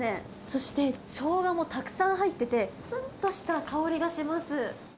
そしてショウガもたくさん入ってて、つんとした香りがします。